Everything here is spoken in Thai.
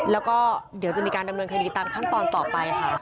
แล้วก็เดี๋ยวจะมีการดำเนินคดีตามขั้นตอนต่อไปค่ะ